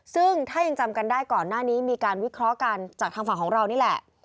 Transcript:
ซึ่งถ้ายังจำกันได้ก่อนหน้านี้มีการวิเคราะห์กันจากทางฝั่งของเรานี่แหละ